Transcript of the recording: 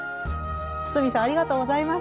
堤さんありがとうございました。